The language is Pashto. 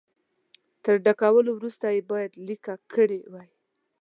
تر ډکولو وروسته یې باید لیکه کړي وای.